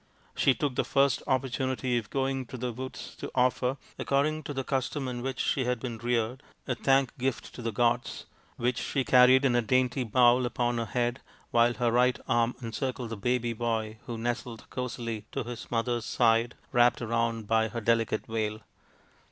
She took the first opportunity of going to the woods to offer, accord ing to the custom in which she had been reared, a thank gift to the gods, which she carried in a dainty bowl upon her head, while her right arm encircled THE PRINCE WONDERFUL 189 the baby boy who nestled cosily to his mother's side, wrapped round by her delicate veil.